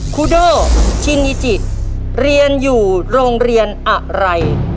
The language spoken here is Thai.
ครูโดชินิจิเรียนอยู่โรงเรียนอะไร